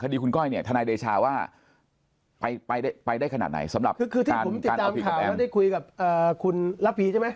คือที่ผมติดตามต่อข้าวแล้วได้คุยกับคุณระปี